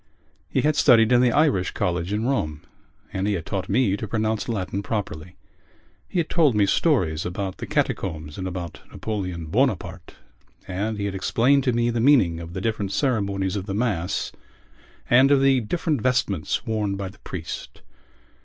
He had studied in the Irish college in Rome and he had taught me to pronounce Latin properly. He had told me stories about the catacombs and about Napoleon Bonaparte, and he had explained to me the meaning of the different ceremonies of the Mass and of the different vestments worn by the priest.